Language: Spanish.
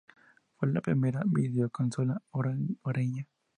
Fue la primera videoconsola hogareña.